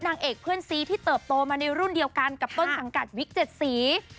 นางเอกเพื่อนซีที่เติบโตมาในรุ่นเดียวกันกับต้นสังกัดวิกเจ็ดสี